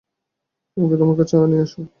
ওকে আমার কাছে নিয়ে এসো!